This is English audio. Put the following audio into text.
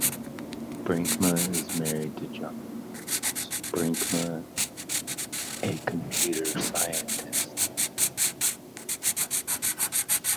Brinkema is married to John Roberts Brinkema, a computer scientist.